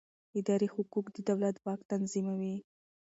اداري حقوق د دولت واک تنظیموي.